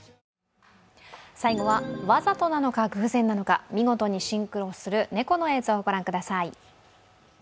最後は、わざとなのか、偶然なのか、見事にシンクロする猫の映像を御覧ください。